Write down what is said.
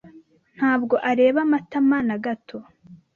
Ntabwo areba Matama na gato.